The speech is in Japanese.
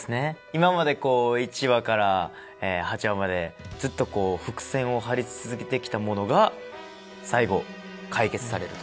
今までこう１話から８話までずっとこう伏線を張り続けてきたものが最後解決されると。